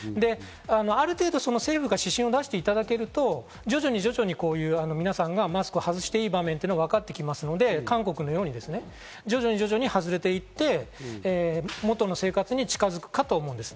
ある程度、政府が指針を出していただけると徐々に徐々に皆さんがマスクを外していい場面がわかってきますので、韓国のように徐々に徐々に外れていって元の生活に近づくかと思うんです。